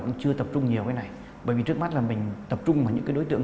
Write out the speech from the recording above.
cũng chưa tập trung nhiều cái này bởi vì trước mắt là mình tập trung vào những cái đối tượng